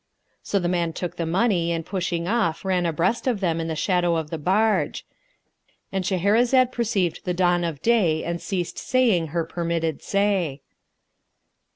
So the man took the money and pushing off ran abreast of them in the shadow of the barge,—And Shahrazad perceived the dawn of day and ceased saying her permitted say.